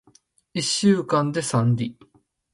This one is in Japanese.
一週間で三里